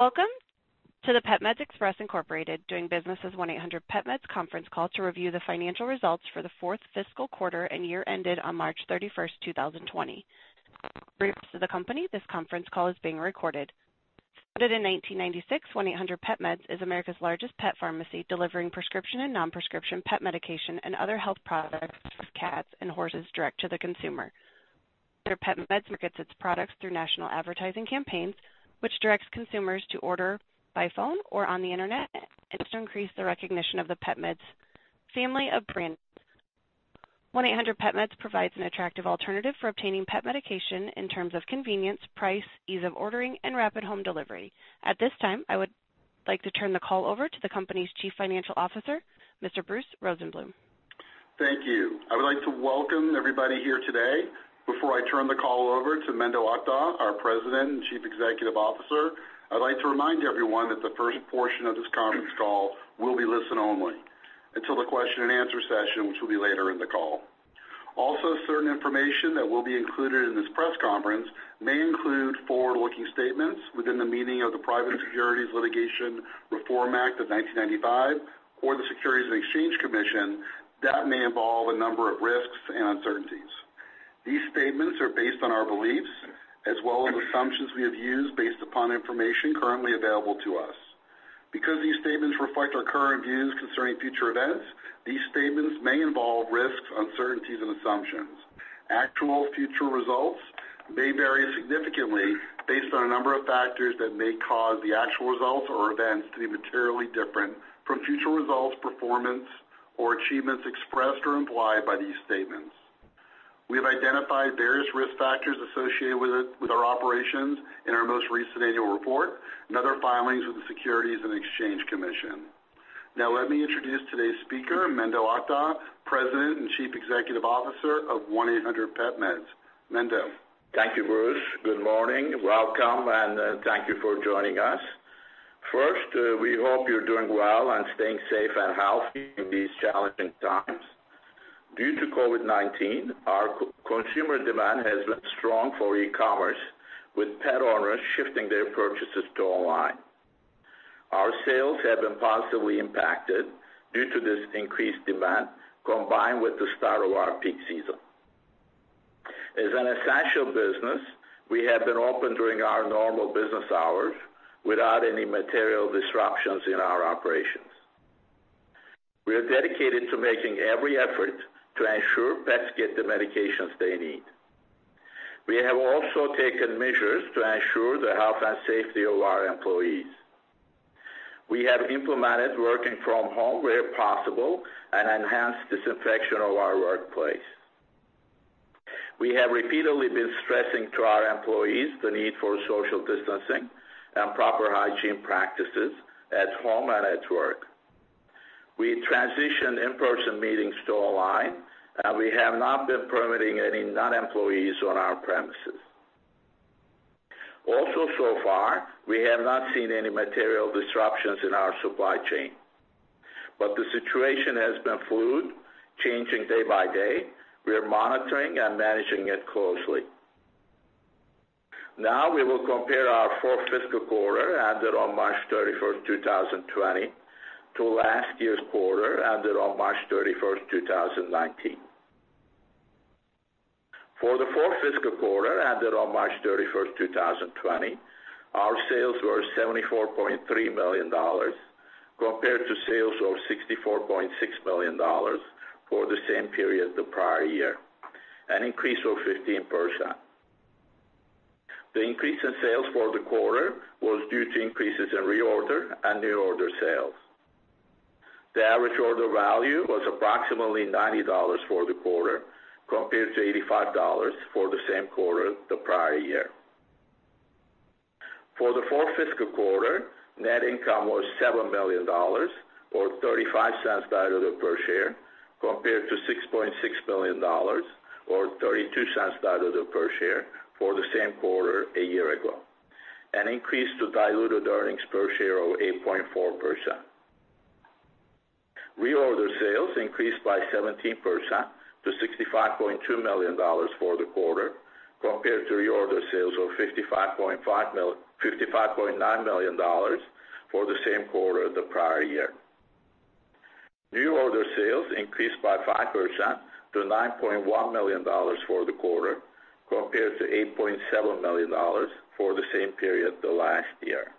Welcome to the PetMed Express, Inc. conference call to review the financial results for the fourth fiscal quarter and year ended on March 31, 2020. For the company, this conference call is being recorded. Founded in 1996, 1-800-PetMeds is America's largest pet pharmacy, delivering prescription and non-prescription pet medication and other health products for cats and horses direct to the consumer. Through PetMeds markets its products through national advertising campaigns, which directs consumers to order by phone or on the internet, and to increase the recognition of the PetMeds family of brands. 1-800-PetMeds provides an attractive alternative for obtaining pet medication in terms of convenience, price, ease of ordering, and rapid home delivery. At this time, I would like to turn the call over to the company's Chief Financial Officer, Mr. Bruce Rosenbloom. Thank you. I would like to welcome everybody here today. Before I turn the call over to Menderes Akdag, our President and Chief Executive Officer, I'd like to remind everyone that the first portion of this conference call will be listen only until the question and answer session, which will be later in the call. Also, certain information that will be included in this press conference may include forward-looking statements within the meaning of the Private Securities Litigation Reform Act of 1995 or the Securities and Exchange Commission that may involve a number of risks and uncertainties. These statements are based on our beliefs as well as assumptions we have used based upon information currently available to us. Because these statements reflect our current views concerning future events, these statements may involve risks, uncertainties, and assumptions. Actual future results may vary significantly based on a number of factors that may cause the actual results or events to be materially different from future results, performance, or achievements expressed or implied by these statements. We have identified various risk factors associated with our operations in our most recent annual report and other filings with the Securities and Exchange Commission. Now let me introduce today's speaker, Menderes Akdag, President and Chief Executive Officer of 1-800-PetMeds. Mendo. Thank you, Bruce. Good morning. Welcome and thank you for joining us. First, we hope you're doing well and staying safe and healthy in these challenging times. Due to COVID-19, our consumer demand has been strong for e-commerce, with pet owners shifting their purchases to online. Our sales have been positively impacted due to this increased demand, combined with the start of our peak season. As an essential business, we have been open during our normal business hours without any material disruptions in our operations. We are dedicated to making every effort to ensure pets get the medications they need. We have also taken measures to ensure the health and safety of our employees. We have implemented working from home where possible and enhanced disinfection of our workplace. We have repeatedly been stressing to our employees the need for social distancing and proper hygiene practices at home and at work. We transitioned in-person meetings to online, we have not been permitting any non-employees on our premises. So far, we have not seen any material disruptions in our supply chain. The situation has been fluid, changing day by day. We are monitoring and managing it closely. We will compare our fourth fiscal quarter ended on March 31st, 2020 to last year's quarter ended on March 31st, 2019. For the fourth fiscal quarter ended on March 31st, 2020, our sales were $74.3 million compared to sales of $64.6 million for the same period the prior year, an increase of 15%. The increase in sales for the quarter was due to increases in reorder and new order sales. The average order value was approximately $90 for the quarter, compared to $85 for the same quarter the prior year. For the fourth fiscal quarter, net income was $7 million, or $0.35 diluted per share, compared to $6.6 million, or $0.32 diluted per share for the same quarter a year ago, an increase to diluted earnings per share of 8.4%. Reorder sales increased by 17% to $65.2 million for the quarter, compared to reorder sales of $55.9 million for the same quarter the prior year. New order sales increased by 5% to $9.1 million for the quarter, compared to $8.7 million for the same period the last year.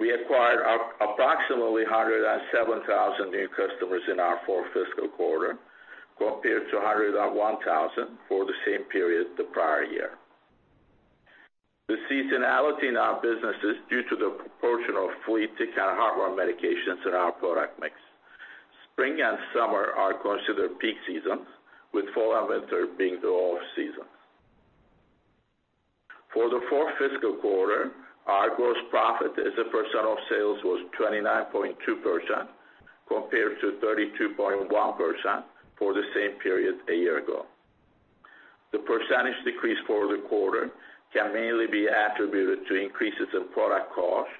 We acquired approximately 107,000 new customers in our fourth fiscal quarter, compared to 101,000 for the same period the prior year. The seasonality in our business is due to the proportion of flea, tick, and heartworm medications in our product mix. Spring and summer are considered peak seasons, with fall and winter being the off-season. For the fourth fiscal quarter, our gross profit as a percent of sales was 29.2%, compared to 32.1% for the same period a year ago. The percentage decrease for the quarter can mainly be attributed to increases in product costs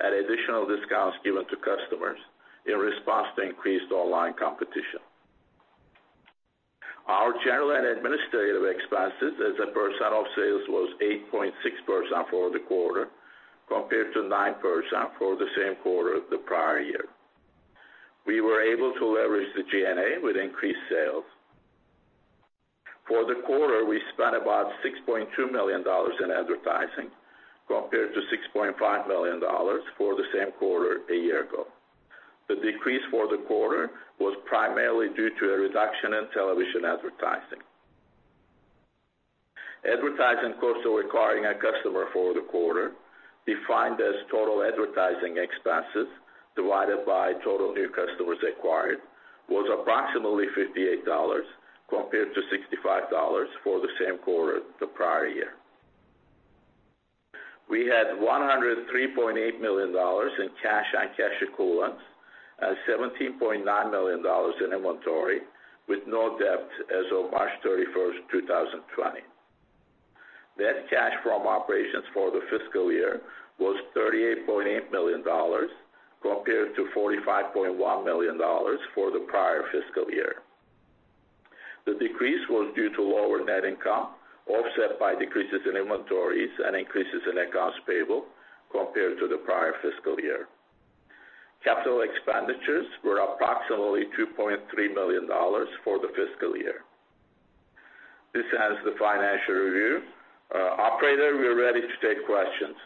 and additional discounts given to customers in response to increased online competition. Our General and Administrative expenses as a percent of sales was 8.6% for the quarter, compared to 9% for the same quarter the prior year. We were able to leverage the G&A with increased sales. For the quarter, we spent about $6.2 million in advertising, compared to $6.5 million for the same quarter a year ago. The decrease for the quarter was primarily due to a reduction in television advertising. Advertising cost of acquiring a customer for the quarter, defined as total advertising expenses divided by total new customers acquired, was approximately $58, compared to $65 for the same quarter the prior year. We had $103.8 million in cash and cash equivalents and $17.9 million in inventory, with no debt as of March 31st, 2020. Net cash from operations for the fiscal year was $38.8 million, compared to $45.1 million for the prior fiscal year. The decrease was due to lower net income, offset by decreases in inventories and increases in accounts payable compared to the prior fiscal year. Capital expenditures were approximately $2.3 million for the fiscal year. This ends the financial review. Operator, we are ready to take questions.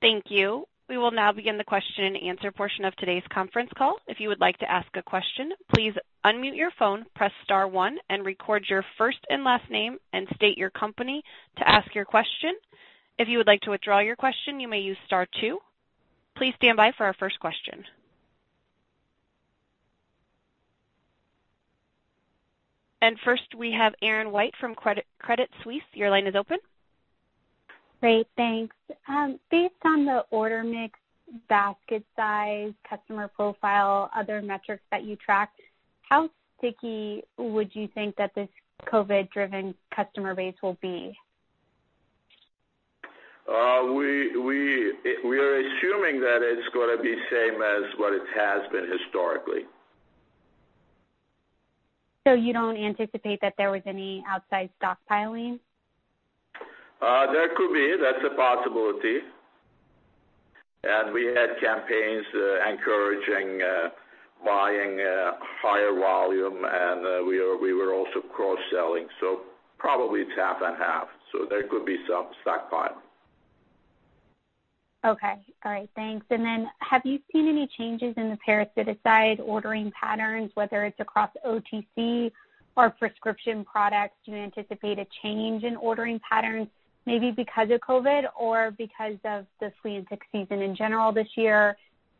Thank you. We will now begin the question and answer portion of today's conference call. If you would like to ask a question, please unmute your phone, press star one, and record your first and last name and state your company to ask your question. If you would like to withdraw your question, you may use star two. Please stand by for our first question. First, we have Erin Wright from Credit Suisse. Your line is open. Great, thanks. Based on the order mix, basket size, customer profile, other metrics that you tracked, how sticky would you think that this COVID-driven customer base will be? We are assuming that it's going to be same as what it has been historically. You don't anticipate that there was any outside stockpiling? There could be. That's a possibility. We had campaigns encouraging buying higher volume and we were also cross-selling. Probably it's half and half, so there could be some stockpiling. Okay. All right, thanks. Then have you seen any changes in the parasitic side ordering patterns, whether it's across OTC or prescription products? Do you anticipate a change in ordering patterns maybe because of COVID or because of the flea and tick season in general this year?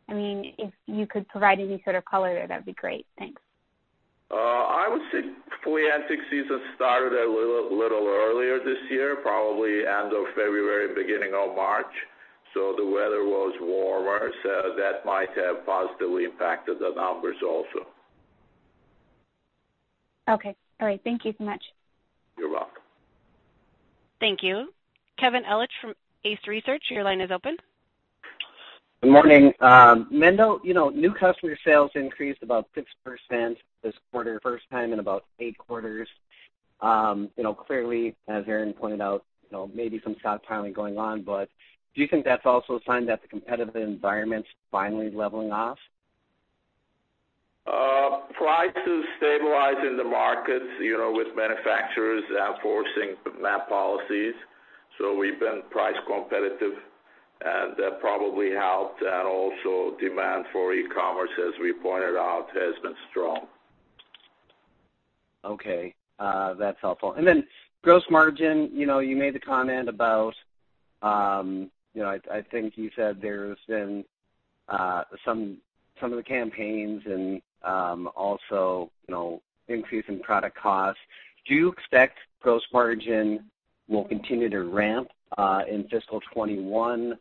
If you could provide any sort of color there, that'd be great. Thanks. I would say flea and tick season started a little earlier this year, probably end of February, beginning of March. The weather was warmer, so that might have positively impacted the numbers also. Okay. All right, thank you so much. You're welcome. Thank you. Kevin Ellich from Ace Research, your line is open. Good morning. Mendo, new customer sales increased about 6% this quarter, first time in about eight quarters. Clearly, as Erin pointed out, maybe some stockpiling going on, do you think that's also a sign that the competitive environment's finally leveling off? Prices stabilize in the markets, with manufacturers enforcing MAP policies. We've been price competitive, and that probably helped. Also demand for e-commerce, as we pointed out, has been strong. Okay, that's helpful. Gross margin, you made the comment about I think you said there's been some of the campaigns and also increase in product costs. Do you expect gross margin will continue to ramp in fiscal 2021,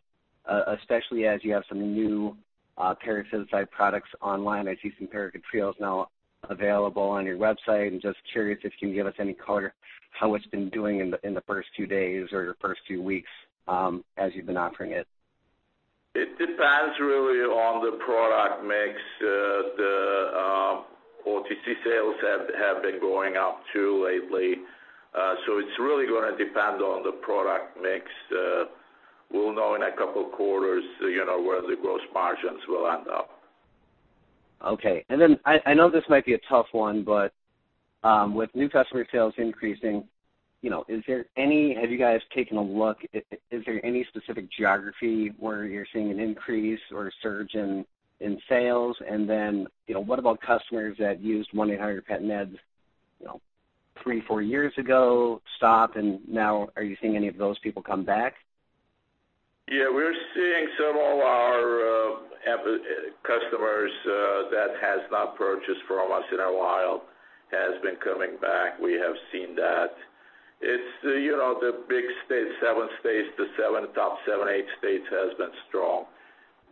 especially as you have some new parasitic products online? I see some parasiticides now available on your website. I'm just curious if you can give us any color how it's been doing in the first two days or the first few weeks as you've been offering it. It depends really on the product mix. The OTC sales have been going up too lately. It's really going to depend on the product mix. We'll know in a couple of quarters where the gross margins will end up. Okay. I know this might be a tough one, but with new customer sales increasing, have you guys taken a look, is there any specific geography where you're seeing an increase or a surge in sales? What about customers that used 1-800-PetMeds three, four years ago, stopped, and now are you seeing any of those people come back? Yeah, we're seeing some of our customers that has not purchased from us in a while has been coming back. We have seen that. The big states, the top seven, eight states has been strong.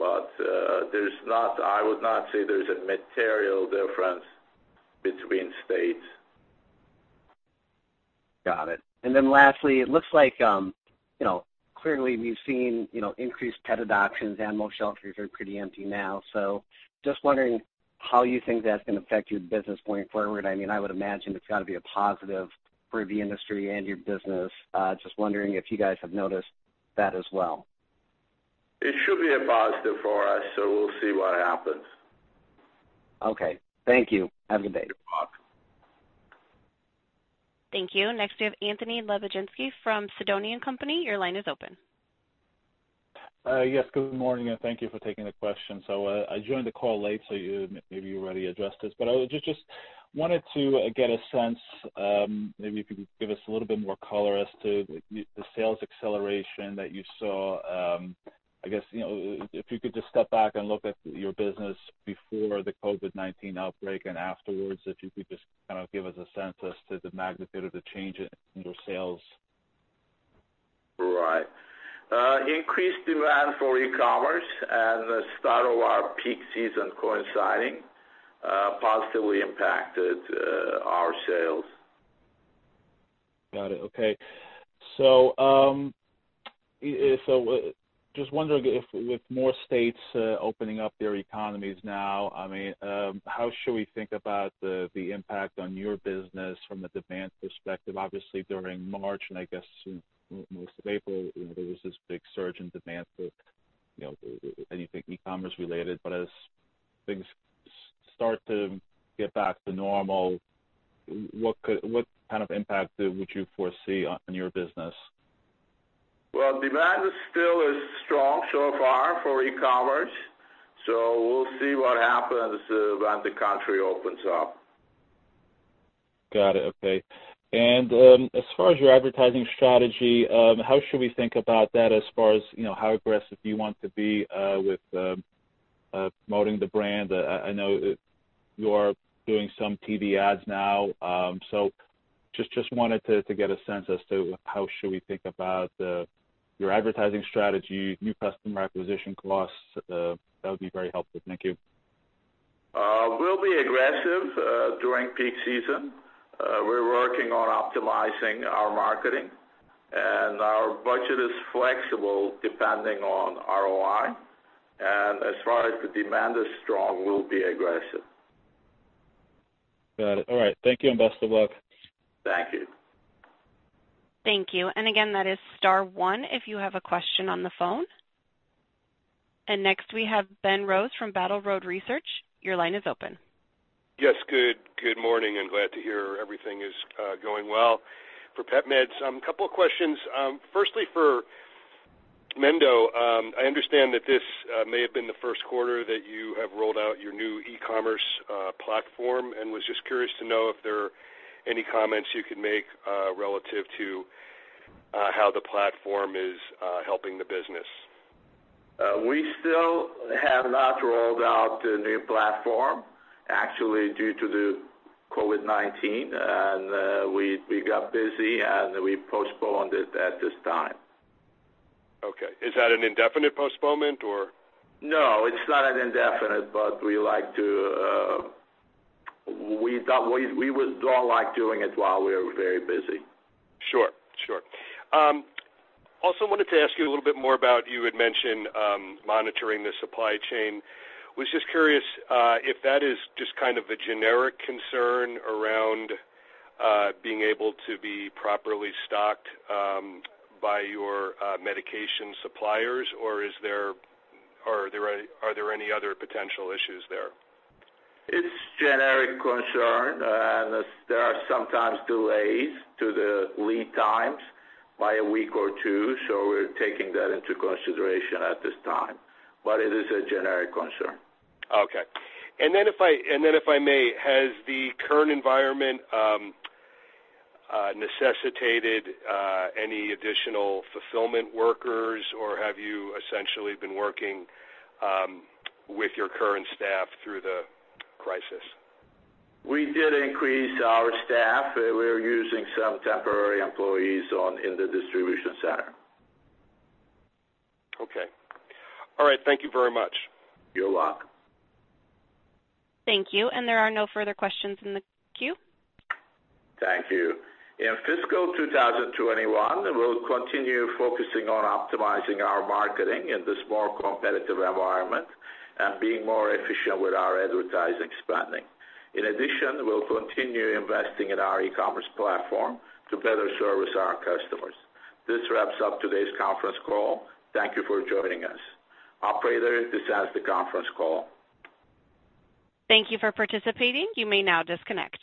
I would not say there's a material difference between states. Lastly, it looks like, clearly we've seen increased pet adoptions. Animal shelters are pretty empty now. Just wondering how you think that's going to affect your business going forward. I would imagine it's got to be a positive for the industry and your business. Just wondering if you guys have noticed that as well. It should be a positive for us, we'll see what happens. Okay. Thank you. Have a good day. You're welcome. Thank you. Next, we have Anthony Lebiedzinski from Sidoti & Company. Your line is open. Yes, good morning, and thank you for taking the question. I joined the call late, so maybe you already addressed this, but I just wanted to get a sense, maybe if you could give us a little bit more color as to the sales acceleration that you saw. I guess, if you could just step back and look at your business before the COVID-19 outbreak and afterwards, if you could just give us a sense as to the magnitude of the change in your sales. Right. Increased demand for e-commerce and the start of our peak season coinciding positively impacted our sales. Got it. Okay. Just wondering if with more states opening up their economies now, how should we think about the impact on your business from the demand perspective? Obviously, during March, and I guess most of April, there was this big surge in demand for anything e-commerce related. As things start to get back to normal, what kind of impact would you foresee on your business? Well, demand is still strong so far for e-commerce. We'll see what happens when the country opens up. Got it. Okay. As far as your advertising strategy, how should we think about that as far as how aggressive you want to be with promoting the brand? I know you are doing some TV ads now. Just wanted to get a sense as to how should we think about your advertising strategy, new customer acquisition costs. That would be very helpful. Thank you. We'll be aggressive during peak season. We're working on optimizing our marketing, and our budget is flexible depending on ROI. As far as the demand is strong, we'll be aggressive. Got it. All right. Thank you, and best of luck. Thank you. Thank you. Again, that is star one if you have a question on the phone. Next we have Ben Rose from Battle Road Research. Your line is open. Yes. Good morning, and glad to hear everything is going well for PetMeds. Couple of questions. Firstly, for Mendo, I understand that this may have been the first quarter that you have rolled out your new e-commerce platform, and was just curious to know if there are any comments you could make relative to how the platform is helping the business. We still have not rolled out the new platform, actually, due to the COVID-19, and we got busy, and we postponed it at this time. Okay. Is that an indefinite postponement, or? No, it's not an indefinite, but we would not like doing it while we are very busy. Sure. Also, wanted to ask you a little bit more about, you had mentioned monitoring the supply chain. Was just curious if that is just kind of a generic concern around being able to be properly stocked by your medication suppliers, or are there any other potential issues there? It's generic concern, and there are sometimes delays to the lead times by a week or two, so we're taking that into consideration at this time. It is a generic concern. Okay. If I may, has the current environment necessitated any additional fulfillment workers, or have you essentially been working with your current staff through the crisis? We did increase our staff. We're using some temporary employees in the distribution center. Okay. All right. Thank you very much. You're welcome. Thank you. There are no further questions in the queue. Thank you. In fiscal 2021, we'll continue focusing on optimizing our marketing in this more competitive environment and being more efficient with our advertising spending. In addition, we'll continue investing in our e-commerce platform to better service our customers. This wraps up today's conference call. Thank you for joining us. Operator, dismiss the conference call. Thank you for participating. You may now disconnect.